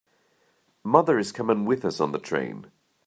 Mother is coming with us on the train.